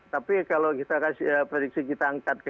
tapi kalau kita kasih prediksi kita angkat ke